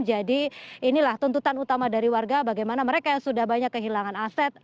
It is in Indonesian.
jadi inilah tuntutan utama dari warga bagaimana mereka yang sudah banyak kehilangan aset